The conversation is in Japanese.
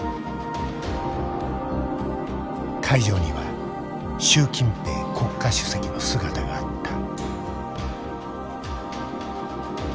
会場には習近平国家主席の姿があった。